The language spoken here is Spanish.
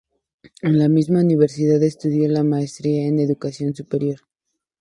En la misma universidad estudió la Maestría en Educación Superior.